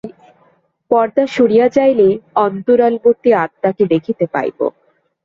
পর্দা সরিয়া যাইলেই অন্তরালবর্তী আত্মাকে দেখিতে পাইব।